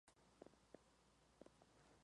No se incorporó.